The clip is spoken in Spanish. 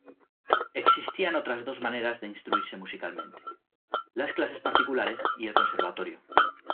Existían otras dos maneras de instruirse musicalmente: las clases particulares y el Conservatorio.